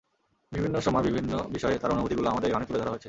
বিভিন্ন সময় বিভিন্ন বিষয়ে তাঁর অনুভূতিগুলো আমাদের গানে তুলে ধরা হয়েছে।